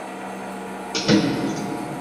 আশা করি, রোমান্টিক কিছু নয়।